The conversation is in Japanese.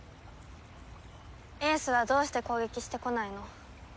英寿はどうして攻撃してこないの？